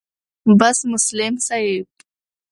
بس مسلم صاحب